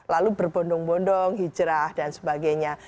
lalu berbondong bondong hijrah dan sebagainya